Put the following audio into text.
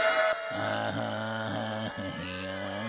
ああ。